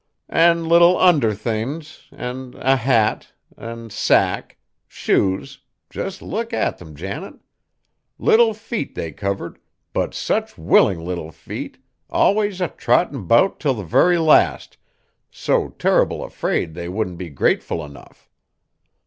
"And little under thin's, an' a hat, an' sacque; shoes just look at them, Janet! Little feet they covered, but such willin' little feet, always a trottin' 'bout till the very last, so turrible afraid they wouldn't be grateful enough.